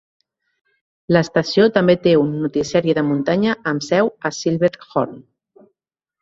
L'estació també té un "Noticiari de Muntanya" amb seu a Silverthorne.